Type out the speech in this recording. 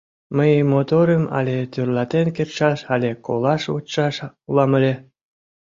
Мый моторым але тӧрлатен кертшаш але колаш вочшаш улам ыле.